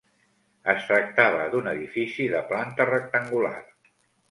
Es tractava d'un edifici de planta rectangular.